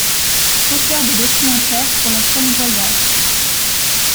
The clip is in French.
Auteur de documentaires pour la chaîne Voyage.